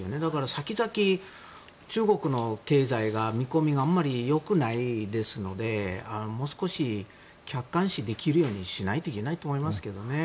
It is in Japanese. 先々、中国の経済の見込みがあまり良くないですのでもう少し客観視できるようにしないといけないと思いますけどね。